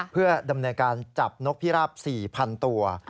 เพื่อดำเนินการจับนกพิราบ๔๐๐๐ตัว